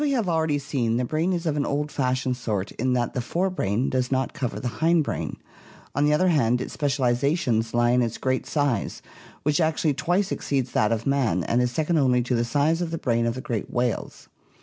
Black, en the brain is of an old fashioned sort amel <*lijiu= ""»• dentine; dots, ce in that the fore brain does not men ' cover the hind brain; on the other hand, its specializations lie in its great size, which actually twice exceeds that of man and is second only to the size of the brain of the great whales.